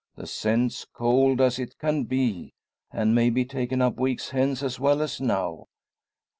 The scent's cold as it can be, and may be taken up weeks hence as well as now.